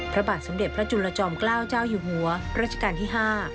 พระบาทสมเด็จพระจุลจอมเกล้าเจ้าอยู่หัวรัชกาลที่๕